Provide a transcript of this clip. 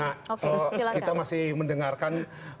oke silahkan kita masih mendengarkan